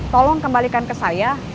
tolong kembalikan ke saya